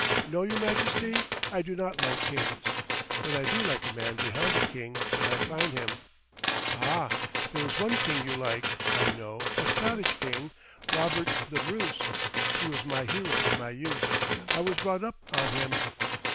"No, Your Majesty, I do not like kings, but I do like a man behind a king when I find him." "Ah! there is one king you like, I know, a Scottish king, Robert the Bruce. He was my hero in my youth. I was brought up on him."